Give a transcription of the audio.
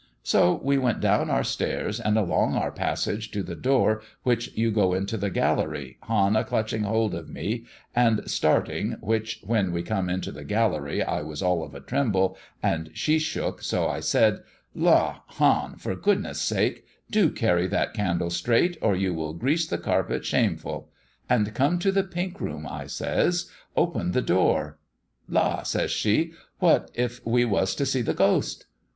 So we went down our stairs and along our passage to the door which you go into the gallery, Hann a clutching hold of me and starting, which when we come into the gallery I was all of a tremble, and she shook so I said, 'La! Hann, for goodness' sake do carry that candle straight, or you will grease the carpet shameful;' and come to the pink room I says, 'Open the door.' 'La!' says she, 'what if we was to see the ghost?'